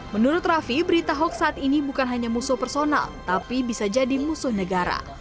menurut raffi berita hoax saat ini bukan hanya musuh personal tapi bisa jadi musuh negara